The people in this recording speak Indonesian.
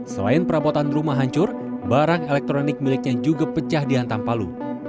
selain perabotan rumah hancur barang elektronik miliknya juga pecah di antam palu